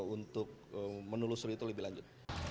untuk menelusuri itu lebih lanjut